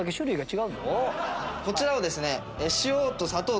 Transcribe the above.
こちらをですね。